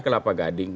di kelapa gading